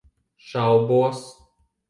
Šaubos.